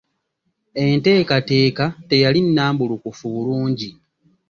Enteekateeka teyali nnambulukufu bulungi.